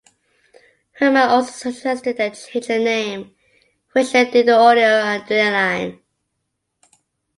Herdman also suggested they change their name, which they did to Audio Adrenaline.